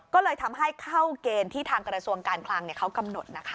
ก็เลยทำให้เข้าเกณฑ์ที่ทางกระทรวงการคลังเขากำหนดนะคะ